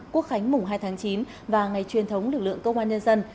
quốc khánh mùng hai tháng chín và ngày truyền thống lực lượng công an nhân dân